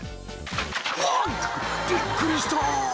「うわ⁉びっくりした！」